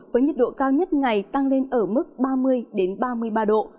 với nhiệt độ cao nhất ngày tăng lên ở mức ba mươi ba mươi ba độ